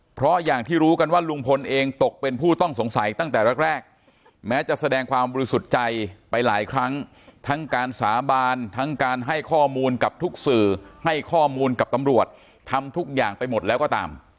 เพราะอย่างที่รู้กันว่าลุงพลเองตกเป็นผู้ต้องสงสัยตั้งแต่แรกแม้จะแสดงความบริสุทธิ์ใจไปหลายครั้งทั้งการสาบานทั้งการให้ข้อมูลกับทุกสื่อให้ข้อมูลกับตำรวจทำทุกอย่างไปหมดแล้วก็ตาม